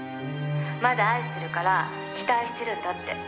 「まだ愛してるから期待してるんだって」